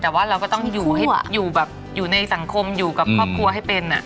แต่ว่าเราก็ต้องอยู่แบบอยู่ในสังคมอยู่กับครอบครัวให้เป็น